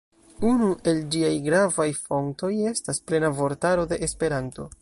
Unu el ĝiaj gravaj fontoj estas Plena Vortaro de Esperanto.